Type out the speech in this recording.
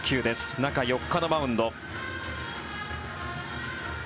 中４日のマウンド。